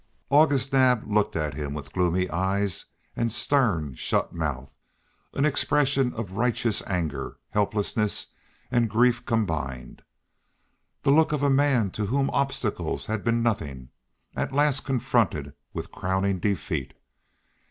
August Naab looked at him with gloomy eyes and stern shut mouth, an expression of righteous anger, helplessness and grief combined, the look of a man to whom obstacles had been nothing, at last confronted with crowning defeat.